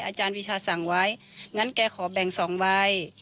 อาจารย์วิชาสั่งไว้งั้นแกขอแบ่ง๒ใบ